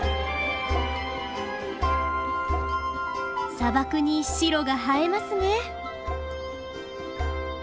砂漠に白が映えますね。